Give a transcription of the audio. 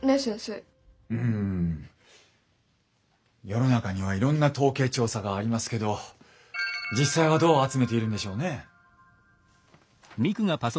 世の中にはいろんな統計調査がありますけど実際はどう集めているんでしょうね？